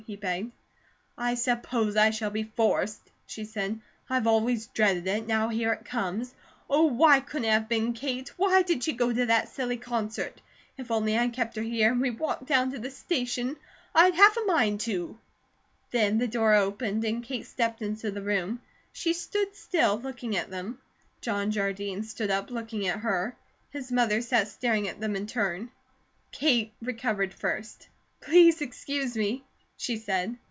he begged. "I suppose I shall be forced," she said. "I've always dreaded it, now here it comes. Oh, why couldn't it have been Kate? Why did she go to that silly concert? If only I'd kept her here, and we'd walked down to the station. I'd half a mind to!" Then the door opened, and Kate stepped into the room. She stood still, looking at them. John Jardine stood up, looking at her. His mother sat staring at them in turn. Kate recovered first. "Please excuse me," she said.